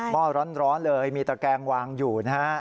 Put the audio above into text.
ห้อร้อนเลยมีตะแกงวางอยู่นะฮะ